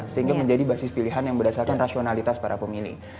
sehingga menjadi basis pilihan yang berdasarkan rasionalitas para pemilih